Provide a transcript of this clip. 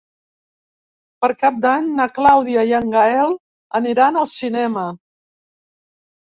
Per Cap d'Any na Clàudia i en Gaël aniran al cinema.